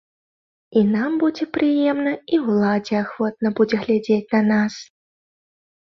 І нам будзе прыемна, і ўладзе ахвотна будзе глядзець на нас.